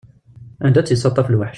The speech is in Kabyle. Anda i tt-yettaṭṭaf lweḥc.